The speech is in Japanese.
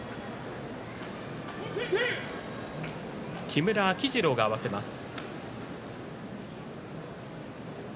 木村秋治郎が合わせます。